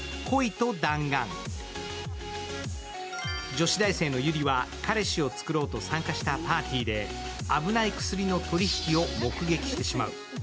女子大生のユリは彼氏を作ろうと参加したパーティーで危ない薬の取り引きを目撃してしまう。